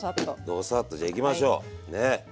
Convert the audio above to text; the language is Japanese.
ドサッとじゃあいきましょうね。